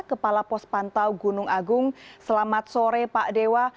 kepala pos pantau gunung agung selamat sore pak dewa